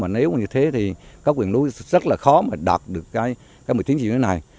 nếu như thế thì các huyện miền núi rất là khó đạt được một mươi tiếng chiều như thế này